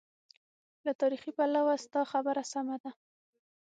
له تاریخي پلوه ستا خبره سمه ده.